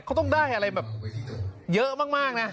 เขาต้องได้อะไรแบบเยอะมากนะ